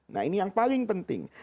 nah ini yang paling penting